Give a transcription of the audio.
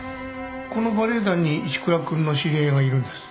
このバレエ団に石倉君の知り合いがいるんです。